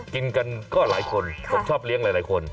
กินกันก็หลายคนผมชอบเลี้ยงหลายคน